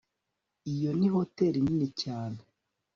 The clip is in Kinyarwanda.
iyo ni hoteri nini cyane